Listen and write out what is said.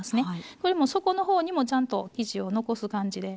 これも底の方にもちゃんと生地を残す感じで。